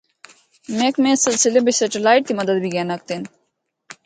محکمے اس سلسلے بچ سیٹلائٹ دی مدد بھی گھن ہکدے ہن۔